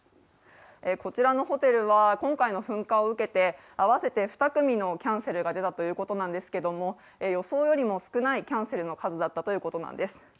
こちらのホテルは今回の噴火を受けて合わせて２組のキャンセルが出たということですけど予想よりも少ないキャンセルの数だったということなんです。